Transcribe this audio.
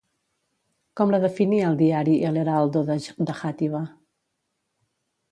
Com la definia el diari El Heraldo de Játiva?